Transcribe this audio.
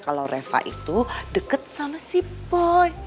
kalau reva itu deket sama si boy